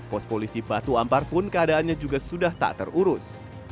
pos polisi batu ampar pun keadaannya juga sudah tak terurus